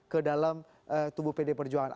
ke dalam tubuh pd perjuangan